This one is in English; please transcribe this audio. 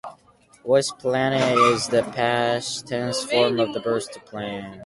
"Was planned" is the past tense form of the verb "to plan."